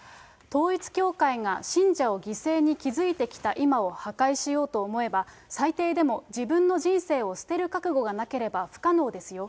統一教会が信者を犠牲に築いてきた今を破壊しようと思えば、最低でも自分の人生を捨てる覚悟がなければ不可能ですよ。